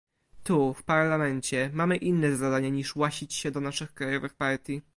Tu, w Parlamencie, mamy inne zadanie niż łasić się do naszych krajowych partii